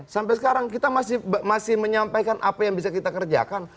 sampai sekarang kita masih menyampaikan apa yang bisa kita kerjakan